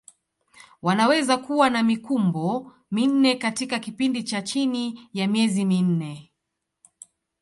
Wanaweza kuwa na mikumbo minne katika kipindi cha chini ya miezi minne.